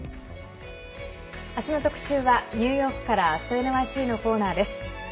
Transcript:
明日の特集はニューヨークから「＠ｎｙｃ」のコーナーです。